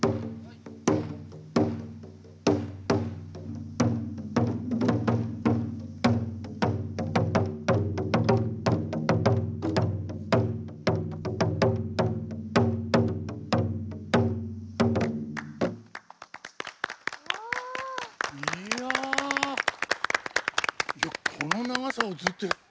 いやこの長さをずっとやる。